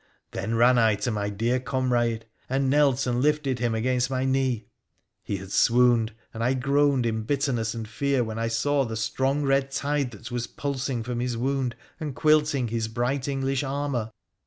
Then ran I to my dear comrade, and knelt and lifted him against my knee. He had swooned, and I groaned in bitterness and fear when I saw the strong red tide that was pulsing from his wound and quilting his bright English armour.